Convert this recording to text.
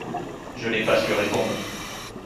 Je n’ai pas su répondre.